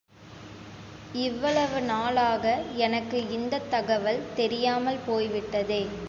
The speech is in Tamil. இவ்வளவு நாளாக எனக்கு இந்தத் தகவல் தெரியாமல் போய்விட்டதே!